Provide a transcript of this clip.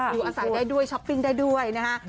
อยู่อาศัยได้ด้วยช้อปปิ้งได้ด้วยนะฮะ